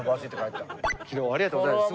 昨日ありがとうございます。